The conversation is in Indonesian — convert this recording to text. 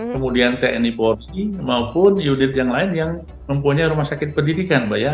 kemudian tni polri maupun unit yang lain yang mempunyai rumah sakit pendidikan mbak ya